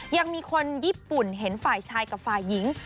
ยังมีคนญี่ปุ่นเห็นฝ่ายชายกับฝ่ายหญิง